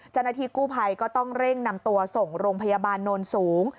เจ้าหน้าที่กู้ภัยก็ต้องเร่งนำตัวส่งโรงพยาบาลโนนสูง